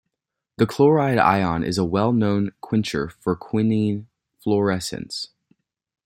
The chloride ion is a well known quencher for quinine fluorescence.